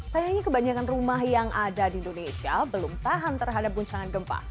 sayangnya kebanyakan rumah yang ada di indonesia belum tahan terhadap guncangan gempa